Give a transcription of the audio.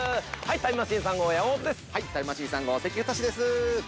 ◆タイムマシーン３号、関太です。